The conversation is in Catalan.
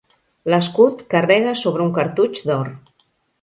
L'escut carrega sobre un cartutx d'or.